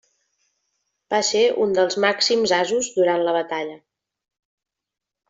Va ser un dels màxims asos durant la batalla.